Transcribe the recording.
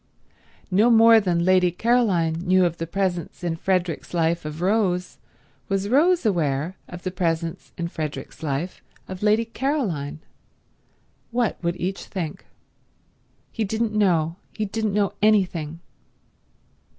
No more than Lady Caroline knew of the presence in Frederick's life of Rose was Rose aware of the presence in Frederick's life of Lady Caroline. What would each think? He didn't know; he didn't know anything.